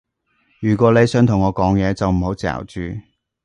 如果你想同我講嘢，就唔好嚼住